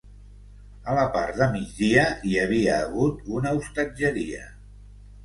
A la part de migdia hi havia hagut una hostatgeria.